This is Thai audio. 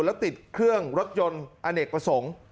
แล้วติดเครื่องรถยนต์อเนกประสงค์